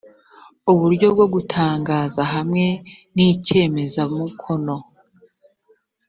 uburyo bwo gutangaza hamwe n icyemeza mukono